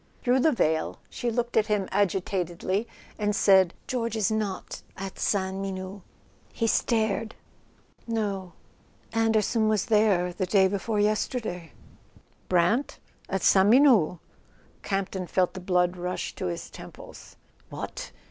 Through the veil she looked at him agitatedly, and said: "George is not at Sainte Menehould." He stared. "No. Anderson was there the day before yesterday." "Brant? At Sainte Menehould?" Campton felt the blood rush to his temples. What!